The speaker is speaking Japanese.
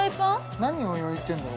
何を焼いてんだろう